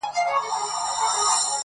o نر يم، نه در وزم٫.